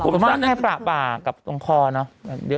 ประมาณแค่ปลากปากกับตรงคอเนอะ